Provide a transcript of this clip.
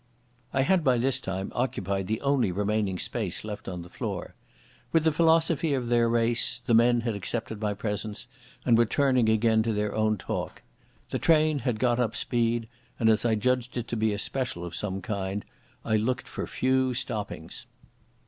I had by this time occupied the only remaining space left on the floor. With the philosophy of their race the men had accepted my presence, and were turning again to their own talk. The train had got up speed, and as I judged it to be a special of some kind I looked for few stoppings.